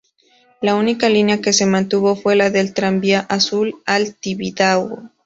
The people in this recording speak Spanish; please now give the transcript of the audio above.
La única línea que se mantuvo fue la del Tranvía Azul, al Tibidabo.